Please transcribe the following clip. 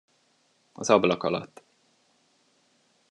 Az ablak alatt.